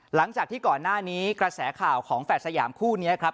หลังจากที่ก่อนหน้านี้กระแสข่าวของแฝดสยามคู่นี้ครับ